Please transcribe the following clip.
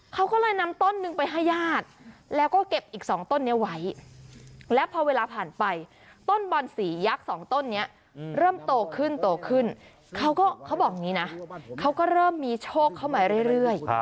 เขาก็เลยนำต้นนึงไปให้ญาติแล้วก็เก็บอีก๒ต้นนี้ไว้แล้วพอเวลาผ่านไปต้นบอนสียักษ์สองต้นนี้เริ่มโตขึ้นโตขึ้นเขาก็เขาบอกอย่างนี้นะเขาก็เริ่มมีโชคเข้ามาเรื่อย